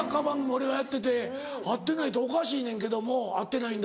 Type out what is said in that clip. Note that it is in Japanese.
俺がやってて会ってないっておかしいねんけども会ってないんだ。